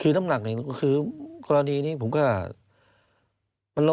คือน้ำหนักหนึ่งก็คือกรณีนี้ผมก็